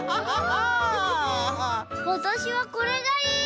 わたしはこれがいい！